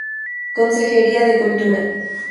Consejería de Cultura.